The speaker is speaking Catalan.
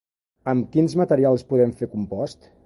Amb quins materials podem fer compost?